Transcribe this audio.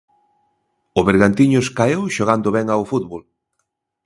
O Bergantiños caeu xogando ben ao fútbol.